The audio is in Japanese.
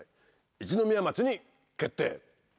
一宮町に決定。